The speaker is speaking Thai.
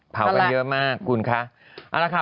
เผากันเยอะมากคุณค่ะ